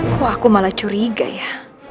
kok aku malah curiga ya